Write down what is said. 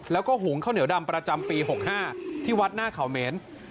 แล้วก็หุงข้าวเหนียวดำประจำปี๖๕ที่วัดหน้าเขาเหม็น